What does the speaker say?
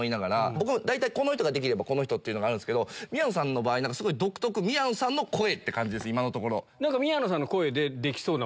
僕大体この人ができればこの人っていうのがあるけど宮野さんの場合すごい独特宮野さんの声！って感じです。